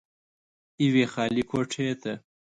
يوې خالې کوټې ته